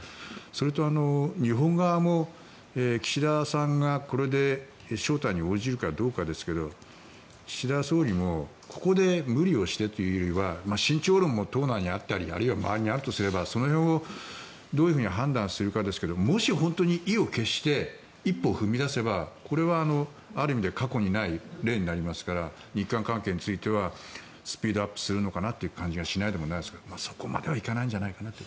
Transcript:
それと、日本側も岸田さんがこれで招待に応じるかどうかですけど岸田総理もここで無理をしてというよりは慎重論も党内にあったりあるいは周りにあるとすればその辺をどういうふうに判断するかですけどもし本当に意を決して一歩を踏み出せばこれはある意味で過去にない例になりますから日韓関係についてはスピードアップするのかなという感じがしないでもないですがそこまではいかないんじゃないかと。